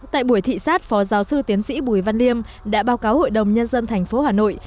tại buổi thị sát phó giáo sư tiến sĩ bùi văn liêm đã báo cáo hội đồng nhân dân tp hà nội